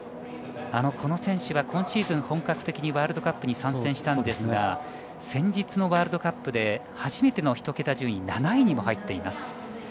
この選手は今シーズン、本格的にワールドカップに参戦したんですが先日のワールドカップで初めての１桁順位、７位にも入っています。